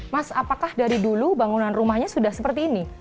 mas apakah dari dulu bangunan rumahnya sudah seperti ini